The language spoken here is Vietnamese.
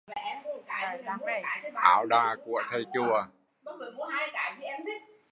Áo đà của thầy chùa